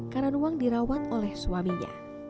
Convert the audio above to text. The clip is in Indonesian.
karanuang dirawat oleh suaminya